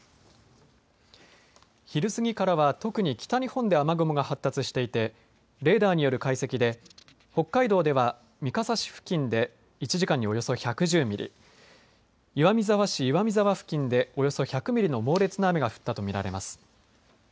昼過ぎからは特に北日本で雨雲が発達していて、レーダーによる解析で北海道では三笠市付近で１時間におよそ１１０ミリ、岩見沢市岩見沢付近でおよそ１００ミリの猛烈な雨が降ったと見られます。